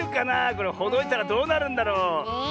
これほどいたらどうなるんだろう。ねえ。